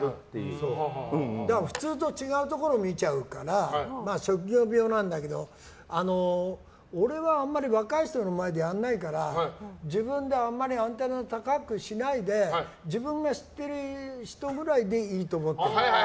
普通と違うところを見ちゃうから職業病なんだけど俺はあんまり若い人の前でやらないから自分でアンテナ高くしないで自分が知ってる人くらいでいいと思ってる。